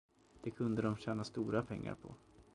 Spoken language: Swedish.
Det kunde de tjäna stora pengar på.